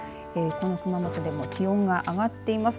この熊本でも気温が上がっています。